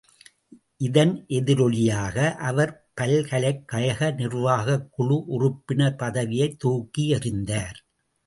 இதன் எதிரொலியாக, அவர் பல்கலைக் கழக நிர்வாகக் குழு உறுப்பினர் பதவியைத் தூக்கி எறிந்தார்.